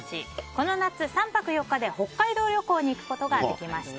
この夏、３泊４日で北海道旅行に行くことができました。